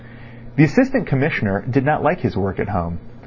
The Assistant Commissioner did not like his work at home.